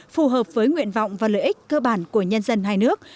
phù hợp với nguyện vọng và lợi ích cơ bản của nhân dân hai nước